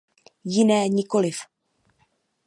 Jiné nikoliv.